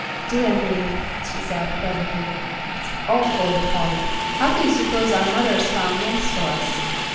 "Dear me," she said, presently, "it's awfully hard. How do you suppose our mothers found names for us?"